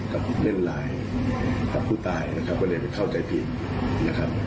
กับเพื่อนรายกับผู้ตายก็ได้เข้าใจผิด